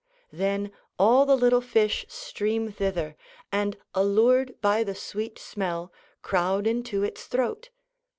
Then all the little fish stream thither, and, allured by the sweet smell, crowd into its throat.